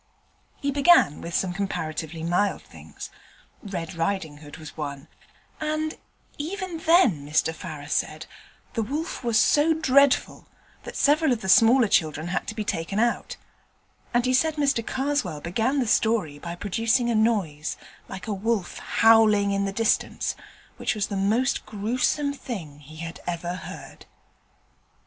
He began with some comparatively mild things. Red Riding Hood was one, and even then, Mr Farrer said, the wolf was so dreadful that several of the smaller children had to be taken out: and he said Mr Karswell began the story by producing a noise like a wolf howling in the distance, which was the most gruesome thing he had ever heard.